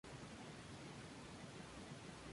Contaba con un salón comedor, camarotes, baño y cocina.